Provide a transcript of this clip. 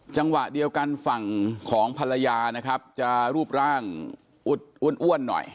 จังหวะเดียวกันฝั่งของภรรยานะครับจะรูปร่างอ้วนหน่อย